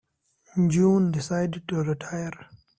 June decided to retire.